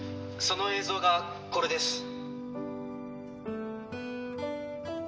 「その映像がこれです」